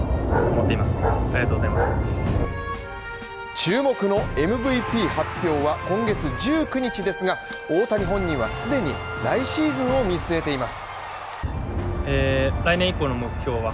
注目のＭＶＰ発表は今月１９日ですが、大谷本人は既に来シーズンを見据えています。